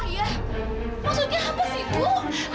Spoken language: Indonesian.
maksudnya apa sih bu